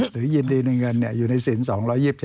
หรือยืดดีในเงินอยู่ในสิน๒๒๗ข้อ